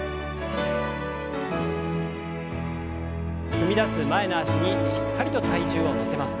踏み出す前の脚にしっかりと体重を乗せます。